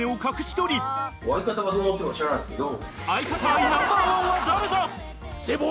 相方はどう思ってるか知らないですけど。